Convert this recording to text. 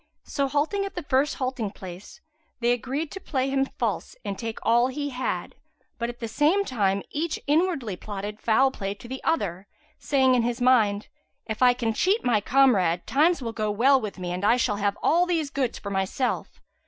So halting at the first halting place they agreed to play him false and take all he had; but at the same time, each inwardly plotted foul play to the other, saying in his mind, "If I can cheat my comrade, times will go well with me and I shall have all these goods for myself."